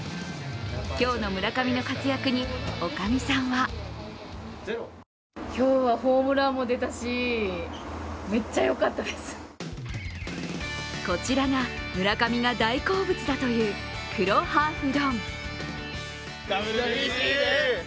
今日の村上の活躍におかみさんはこちらが村上が大好物だという黒ハーフ丼。